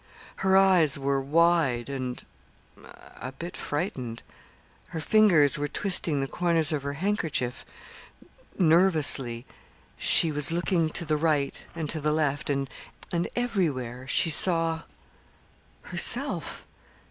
Her eyes were wide, and a bit frightened. Her fingers were twisting the corners of her handkerchief nervously. She was looking to the right and to the left, and everywhere she saw herself.